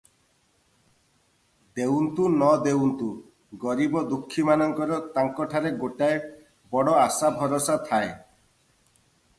ଦେଉନ୍ତୁ ନ ଦେଉନ୍ତୁ, ଗରିବ ଦୁଃଖୀମାନଙ୍କର ତାଙ୍କଠାରେ ଗୋଟାଏ ବଡ଼ ଆଶା ଭରସା ଥାଏ ।